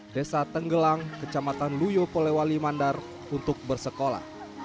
desa tenggelang kecamatan luyo polewali mandar untuk bersekolah